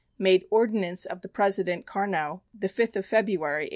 Made Ordinance of the President Carnot, the 5th of February, 1893.